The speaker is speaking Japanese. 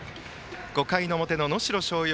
５回の表の能代松陽。